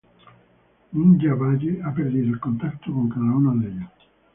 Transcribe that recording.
Ninja Valle ha perdido el contacto con cada uno de ellos.